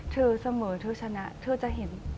เธอเสมอเธอชนะเธอจะเห็น